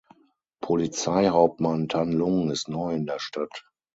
Polizeihauptmann Tan Lung ist neu in der Stadt.